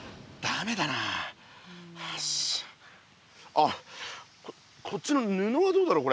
あこっちのぬのはどうだろう？